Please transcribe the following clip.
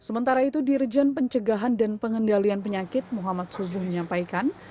sementara itu dirjen pencegahan dan pengendalian penyakit muhammad subuh menyampaikan